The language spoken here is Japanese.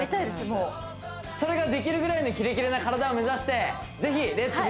もうそれができるぐらいのキレキレな体を目指してぜひレッツ！